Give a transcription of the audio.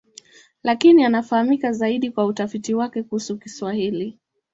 Lakini anafahamika zaidi kwa utafiti wake kuhusu Kiswahili.